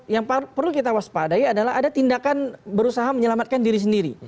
yang perlu kita waspadai adalah ada tindakan berusaha menyelamatkan diri sendiri